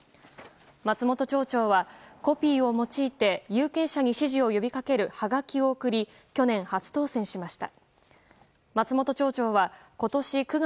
松本町長はコピーを用いて有権者に支持を呼びかけるはがきを送り去年初当選しました。